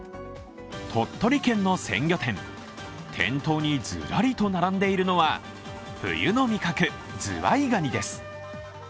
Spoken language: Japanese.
鳥取県の鮮魚店、店頭にずらりと並んでいるのは冬の味覚ズワイガニです。